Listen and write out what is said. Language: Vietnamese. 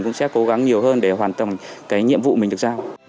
cũng sẽ cố gắng nhiều hơn để hoạt động cách mạng